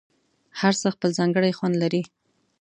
هر څه خپل ځانګړی خوند لري.